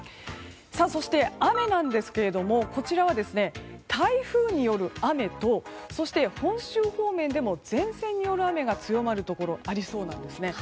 そして、雨なんですけれどこちらは台風による雨とそして本州方面でも前線による雨が強まるところがありそうなんです。